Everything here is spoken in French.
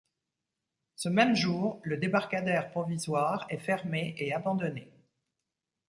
Ce même jour, le débarcadère provisoire est fermé et abandonné.